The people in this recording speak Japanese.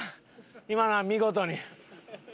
今のは見事に。